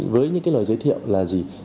với những lời giới thiệu là gì